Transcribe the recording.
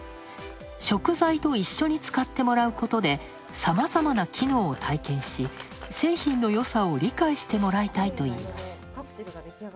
食材と一緒に使ってもらうことでさまざまな機能を体験し製品のよさを理解してもらいたいといいます。